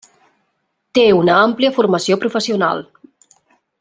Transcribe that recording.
Té una àmplia formació professional.